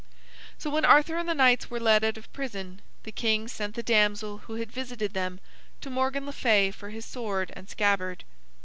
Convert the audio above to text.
So when Arthur and the knights were led out of prison, the king sent the damsel who had visited them to Morgan le Fay for his sword and scabbard.